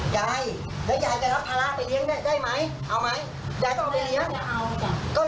ยายแล้วยายจะรับภาระไปเลี้ยงได้ไหมเอาไหมยายต้องเอาไปเลี้ยงก็รู้ก็ต้องเอาไปเลี้ยง